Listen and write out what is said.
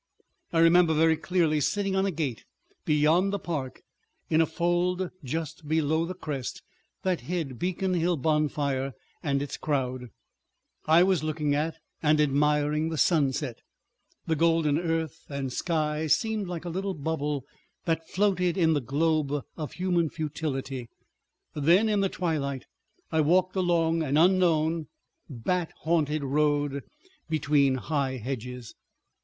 ... I remember very clearly sitting on a gate beyond the park, in a fold just below the crest, that hid the Beacon Hill bonfire and its crowd, and I was looking at and admiring the sunset. The golden earth and sky seemed like a little bubble that floated in the globe of human futility. ... Then in the twilight I walked along an unknown, bat haunted road between high hedges.